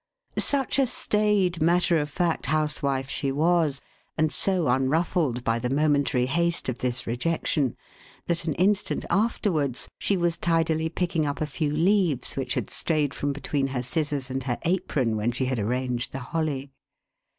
" Such a staid matter of fact housewife she was, and so unruffled by the momentary haste of this rejection, that, an instant afterwards, she was tidily picking up a few leaves which had strayed from between her scissors and her apron, when she had arranged the hollv.